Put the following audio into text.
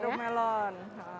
sirup sirup melon